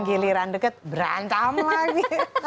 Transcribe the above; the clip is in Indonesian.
giliran deket berantem lagi